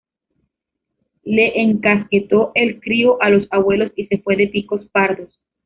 Le encasquetó el crío a los abuelos y se fue de picos pardos